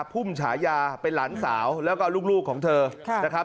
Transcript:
พุ่มฉายาเป็นหลานสาวแล้วก็ลูกของเธอนะครับ